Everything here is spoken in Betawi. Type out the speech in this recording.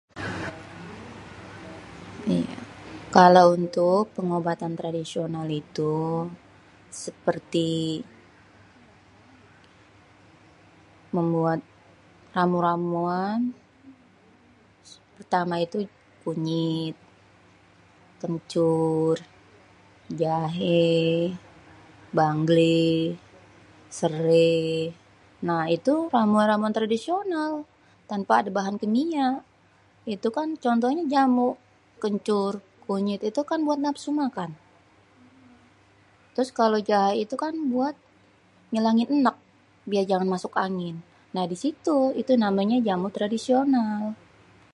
Kalo untuk pengobatan tradisonal itu, seperti, membuat ramu-ramuan, pertama itu kunyit, kencur, jahé, banglé, seréh. Nah, itu ramu-ramuan tradisional, tanpa ada bahan kimia. Itukan contohnyé jamu kencur, kunyit itu kan buat nambah nafsu makan, terus itu kalo jahé buat ngilangin eneg biar jangan masuk angin. Nah, disitu namenya jamu tradisional.